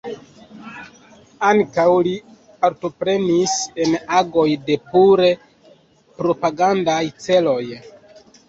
Ankaŭ li partoprenis en agoj de pure propagandaj celoj.